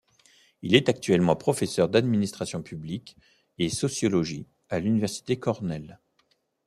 Il est actuellement professeur d'administration publique et sociologie à l'Université Cornell.